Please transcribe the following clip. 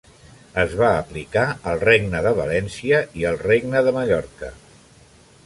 Es va aplicar al Regne de València i al Regne de Mallorca.